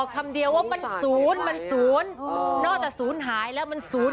คนยิ่งละคนอย่างนี้